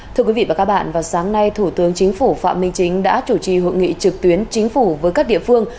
thưa quý vị và các bạn vào sáng nay thủ tướng chính phủ phạm minh chính đã chủ trì hội nghị trực tuyến chính phủ với các địa phương